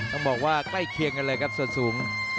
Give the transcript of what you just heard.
ต้องบอกว่าใกล้เคียงกันเลยครับส่วนสูง